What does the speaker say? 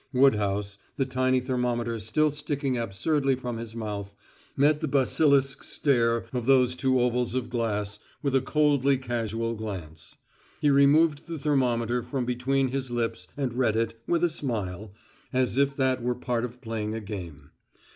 Woodhouse, the tiny thermometer still sticking absurdly from his mouth, met the basilisk stare of those two ovals of glass with a coldly casual glance. He removed the thermometer from between his lips and read it, with a smile, as if that were part of playing a game.